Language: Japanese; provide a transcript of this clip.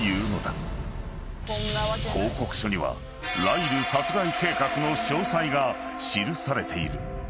［報告書にはライル殺害計画の詳細が記されている］